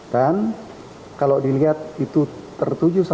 dan kalau dilihat itu tertuju sama